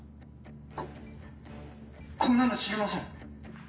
ここんなの知りません。